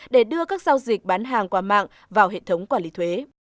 để đưa các giao dịch bán hàng qua mạng vào hệ thống quản lý thuế